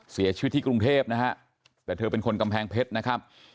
เสียชีวิตที่กรุงเทพนะฮะแต่เธอเป็นคนกำแพงเพชรนะครับ